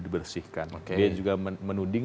dibersihkan dia juga menuding